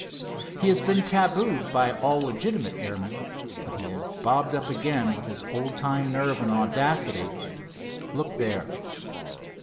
He has been tabooed by all legitimate airmen, but he has bobbed up again with his old time nerve and audacity. Look there."